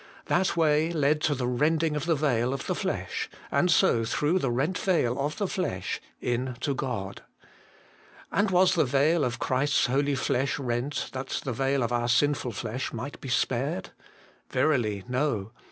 That way led to the rending of the veil of the flesh, and so through the rent veil of the flesh, in to God. And was the veil of Christ's holy flesh rent that the veil of our sinful flesh might be spared ? Verily, no.